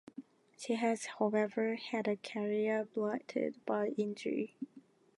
She has however had a career blighted by injury.